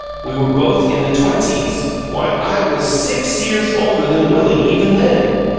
"We were both in the twenties why, I was six years older than Willie, even then.